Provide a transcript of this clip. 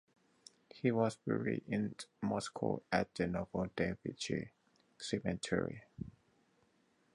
He was buried in Moscow at the Novodevichy Cemetery.